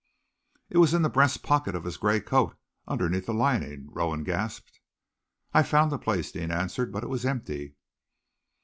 "It was in the breast pocket of his gray coat, underneath the lining," Rowan gasped. "I found the place," Deane answered, "but it was empty."